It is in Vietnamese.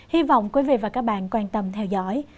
hy vọng quý vị và các bạn quan tâm theo dõi